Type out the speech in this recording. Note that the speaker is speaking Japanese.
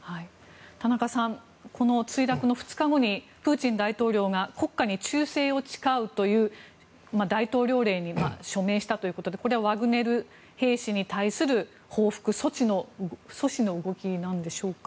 田中さん、墜落の２日後にプーチン大統領が国家に忠誠を誓うという大統領令に署名したということでこれはワグネル兵士に対する報復阻止の動きなんでしょうか。